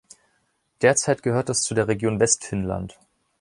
Derzeit gehört es zu der Region Westfinnland.